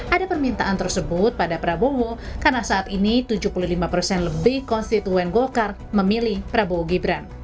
ada permintaan tersebut pada prabowo karena saat ini tujuh puluh lima persen lebih konstituen golkar memilih prabowo gibran